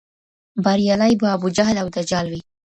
بریالي به ابوجهل او دجال وي